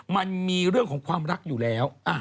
มันมีเรื่องของความรักอยู่แล้ว